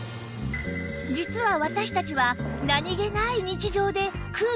実は私たちは何げない日常で空気を